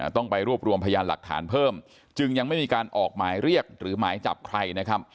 ต้องไปรวบรวมพยานหลักฐานเพิ่มจึงยังไม่มีการออกหมายเรียกหรือหมายจับใครนะครับ